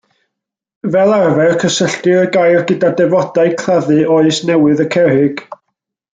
Fel arfer cysylltir y gair gyda defodau claddu Oes Newydd y Cerrig.